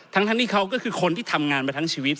ทั้งที่เขาก็คือคนที่ทำงานมาทั้งชีวิต